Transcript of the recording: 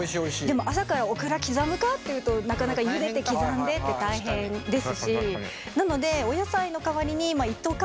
でも朝からオクラ刻むかっていうとなかなかゆでて刻んでって大変ですし。